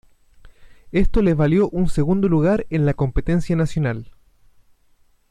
Esto les valió un segundo lugar en la competencia nacional.